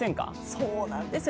そうなんです。